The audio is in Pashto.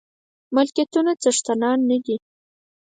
ملکيتونو څښتنان نه دي.